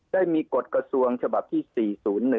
ได้มีกฎกระทรวงฉบับที่๔๐๑